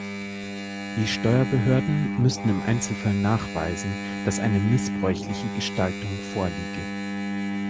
Die Steuerbehörden müssten im Einzelfall nachweisen, dass eine missbräuchliche Gestaltung vorliege.